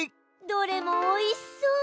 どれもおいしそう！